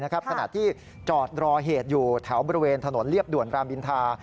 ขณะที่จอดรอเหตุอยู่แถวบริเวณถนนเรียบด่วนรามอินทา